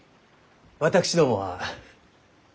私どもは。